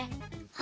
あ！